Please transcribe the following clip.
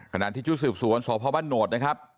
ขณะที่จุดสื่อปศวงศพบรนวดนะครับ